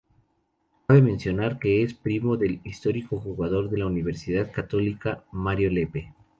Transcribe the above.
Cabe mencionar que es primo del histórico jugador de la Universidad Católica, Mario Lepe.